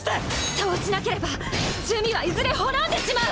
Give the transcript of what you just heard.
そうしなければ珠魅はいずれ滅んでしまう！